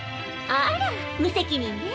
あら無責任ね。